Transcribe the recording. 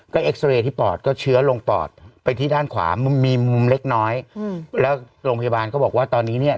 ก็เอ็กซาเรย์ที่ปอดก็เชื้อลงปอดไปที่ด้านขวามุมมีมุมเล็กน้อยอืมแล้วโรงพยาบาลก็บอกว่าตอนนี้เนี่ย